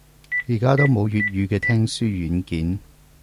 而家都冇粵語嘅聽書軟件